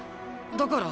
だから。